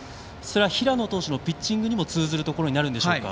平野投手のピッチングにも通じるところがあるんでしょうか。